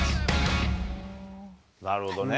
なるほどね。